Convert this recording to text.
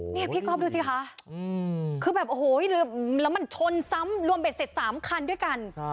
นี่พี่ก๊อฟดูสิคะคือแบบโอ้โหลืมแล้วมันชนซ้ำรวมเบ็ดเสร็จ๓คันด้วยกัน